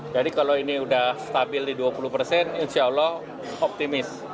jadi kalau ini sudah stabil di dua puluh persen insya allah optimis